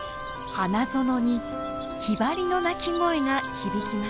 花園にヒバリの鳴き声が響きます。